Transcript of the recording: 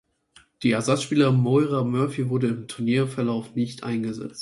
Die Ersatzspielerin Moira Murphy wurde im Turnierverlauf nicht eingesetzt.